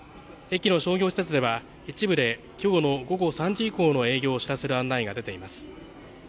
駅の商業施設では一部できょうの午後３時以降の営業を知らせる案内が出ています。